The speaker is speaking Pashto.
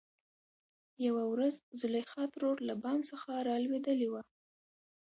يوه ورځ زليخا ترور له بام څخه رالوېدلې وه .